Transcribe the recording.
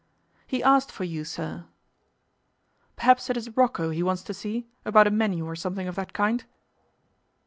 'He asked for you, sir.' 'Perhaps it is Rocco he wants to see, about a menu or something of that kind?